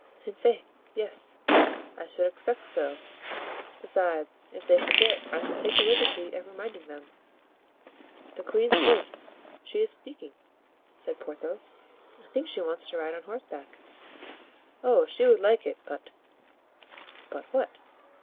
"I'faith! yes—I should expect so; besides, if they forget, I shall take the liberty of reminding them." "The queen's voice! she is speaking," said Porthos; "I think she wants to ride on horseback." "Oh, she would like it, but——" "But what?"